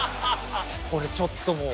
これちょっともう。